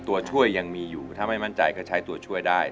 ตัวช่วยยังมีอยู่ถ้าไม่มั่นใจก็ใช้ตัวช่วยได้